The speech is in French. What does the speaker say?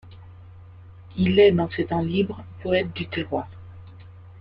Il est dans ses temps libres poète du terroir.